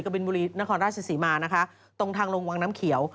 บินบุรีนครราชศรีมานะคะตรงทางลงวังน้ำเขียว